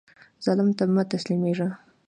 ظالم ته مه تسلیمیږئ